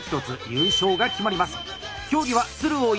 優勝が決まります。